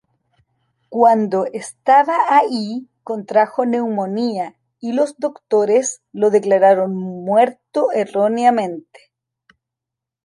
Cuando estaba ahí contrajo neumonía y los doctores lo declararon muerto erróneamente.